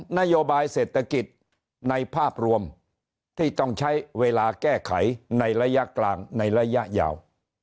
นโยบายเศรษฐกิจในภาพรวมที่ต้องใช้เวลาแก้ไขในระยะกลางในระยะยาว